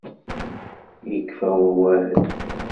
Yekfa wawal.